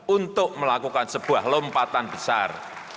untuk melakukan sebuah lompatan besar